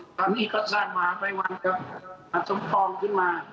คันนี้ก็สร้างมาไว้หวังกับประสงค์ฟรองขึ้นมา